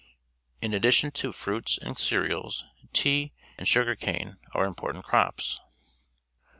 In addition to fruits and cer eals, t ea, and sugar cane are important crops.